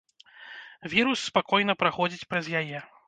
Вірус спакойна праходзіць праз яе.